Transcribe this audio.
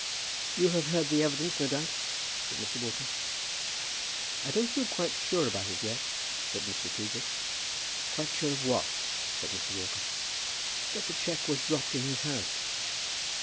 "You have heard the evidence, no doubt?" said Mr. Walker. "I don't feel quite sure about it, yet," said Mr. Toogood. "Quite sure of what?" said Mr. Walker. "That the cheque was dropped in his house."